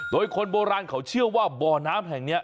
โดยคนโบราณเขาเชื่อว่าบ่อน้ำแห่งนี้